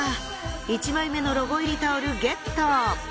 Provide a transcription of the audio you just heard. １枚目のロゴ入りタオルゲット。